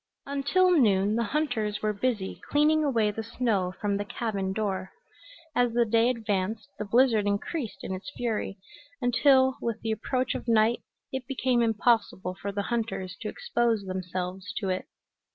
Until noon the hunters were busy cleaning away the snow from the cabin door. As the day advanced the blizzard increased in its fury, until, with the approach of night, it became impossible for the hunters to expose themselves to it.